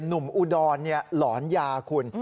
หนุ่มอุดรหลอนยาคุณ